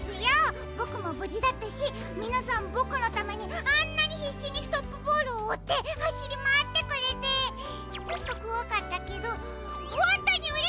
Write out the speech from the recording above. ボクもぶじだったしみなさんボクのためにあんなにひっしにストップボールをおってはしりまわってくれてちょっとこわかったけどほんとにうれしかったです！